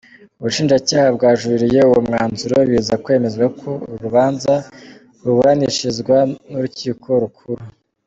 Ubushinjacyaha bwajuririye uwo mwanzuro biza kwemezwa ko uru rubanza ruburanishwa n’Urukiko Rukuru.